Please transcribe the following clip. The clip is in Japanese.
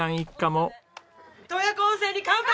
洞爺湖温泉に乾杯！